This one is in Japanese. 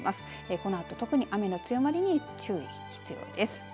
このあと特に雨の強まりに注意が必要です。